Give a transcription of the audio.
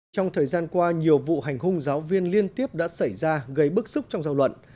trong thời gian qua nhiều vụ hành hung giáo viên liên tiếp đã xảy ra gây bức xúc trong dư luận